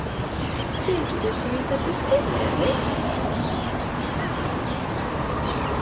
定期で積み立てしてんのやで。